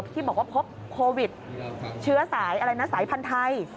ที่บอกว่าพบโควิดเชื้อสายอะไรนะสายพันธุ์ไทย